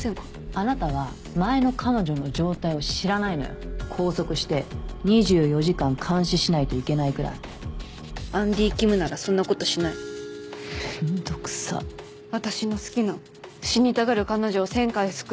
あなたは前の彼女の状態を知らないのよ拘束して２４時間監視しないといけないくらいアンディキムならそんなことしない面倒くさ私の好きな「死にたがる彼女を１０００回救う」